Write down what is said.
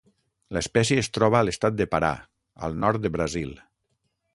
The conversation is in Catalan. L'espècie es troba a l'estat de Pará, al nord de Brasil.